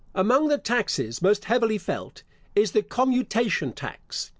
Among the taxes most heavily felt is the commutation tax.